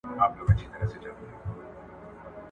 په درسي کتابونو کي د نویو علمي اصطلاحاتو سمه ژباړه نه وه.